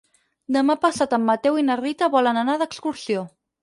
Demà passat en Mateu i na Rita volen anar d'excursió.